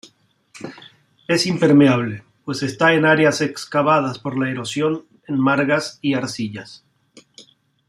Es impermeable, pues está en áreas excavadas por la erosión en margas y arcillas.